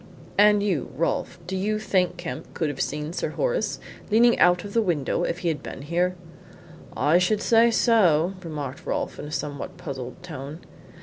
"And you, Rolfe do you think Kemp could have seen Sir Horace leaning out of the window if he had been here?" "I should say so," remarked Rolfe, in a somewhat puzzled tone.